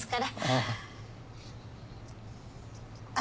ああ。